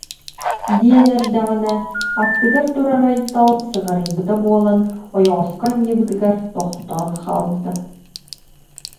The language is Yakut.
диэн эрдэҕинэ аттыгар турар Айтал сыҕарыйбыта буолан, ойоҕоско анньыбытыгар тохтоон хаалбыта